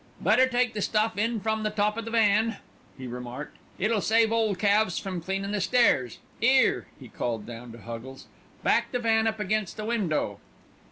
"Better take the stuff in from the top of the van," he remarked. "It'll save Ole Calves from cleanin' the stairs. 'Ere," he called down to Huggles, "back the van up against the window."